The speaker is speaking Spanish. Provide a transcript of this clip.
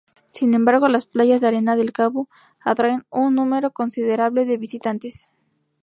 Sin embargo las playas de arena del cabo atraen un número considerable de visitantes.